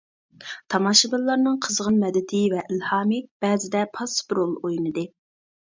تاماشىبىنلارنىڭ قىزغىن مەدىتى ۋە ئىلھامى بەزىدە پاسسىپ رول ئوينىدى.